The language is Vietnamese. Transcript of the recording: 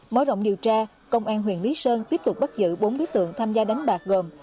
mở rộng điều tra công an huyện lý sơn tiếp tục bắt giữ bốn đối tượng tham gia đánh bạc gồm